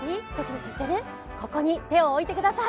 ここに手を置いてください。